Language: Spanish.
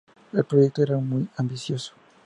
El proyecto era muy ambicioso.